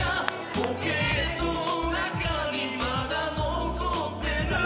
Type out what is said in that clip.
ポケットの中にまだ残ってる